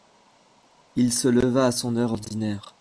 Il se leva à son heure ordinaire.